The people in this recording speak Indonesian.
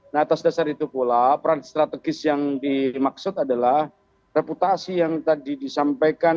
nah atas dasar itu pula peran strategis yang dimaksud adalah reputasi yang tadi disampaikan